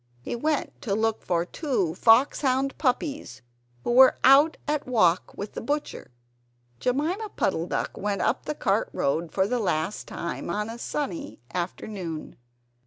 He went to look for two foxhound puppies who were out at walk with the butcher. Jemima Puddle duck went up the cart road for the last time, on a sunny afternoon.